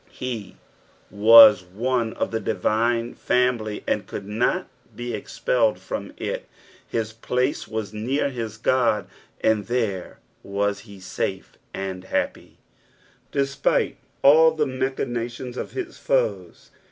He was one of the divine ^mily, and could not be expelled from it ; bis place was near his God, and tbere was he safe and happy, despite all the machinations of his foes.